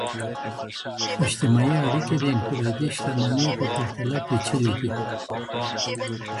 اجتماعي اړیکې د انفرادي شتمنیو په پرتله پیچلي دي.